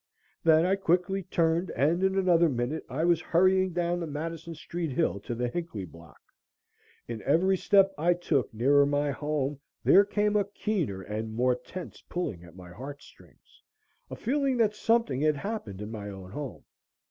Then I quickly turned and in another minute I was hurrying down the Madison Street hill to the Hinckley Block. In every step I took nearer my home there came a keener and more tense pulling at my heart strings a feeling that something had happened in my own home.